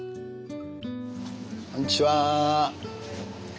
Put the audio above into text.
こんにちは。